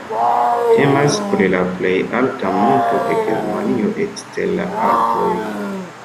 Temas pri la plej alta monto de Germanio ekster la Alpoj.